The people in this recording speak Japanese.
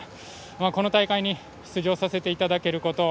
この大会に出場させていただけること